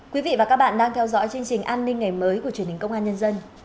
quý vị và các bạn đang theo dõi chương trình an ninh ngày mới của truyền hình công an nhân dân